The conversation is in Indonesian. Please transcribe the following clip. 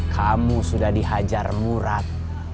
kamu sudah dihajar murad